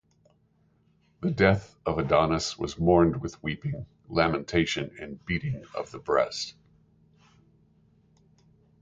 The death of Adonis was mourned with weeping, lamentation, and beating of the breast.